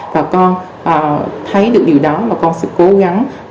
và con thấy được điều đó và con sẽ cố gắng và học tập phát triển bản thân mình